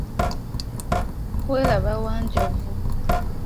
Welaba Wanjovu.